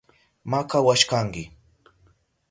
Makawashkanki.